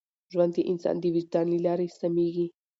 ژوند د انسان د وجدان له لارې سمېږي.